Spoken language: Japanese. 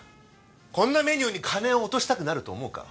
こんなメニューに金を落としたくなると思うか？